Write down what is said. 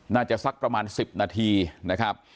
สักประมาณ๑๐นาทีนะครับ